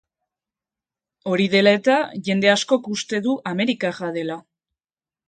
Hori dela eta, jende askok uste du amerikarra dela.